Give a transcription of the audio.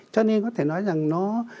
cho nên có thể nói rằng nó